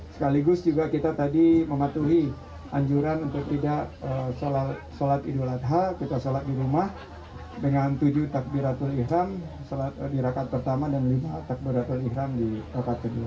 sekaligus juga kita tadi mematuhi anjuran untuk tidak sholat idul adha kita sholat di rumah dengan tujuh takbiratul ilham di rakat pertama dan lima takbiratul ikham di rokaat kedua